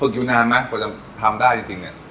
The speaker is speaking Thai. อยู่นานไหมกว่าจะทำได้จริงเนี่ย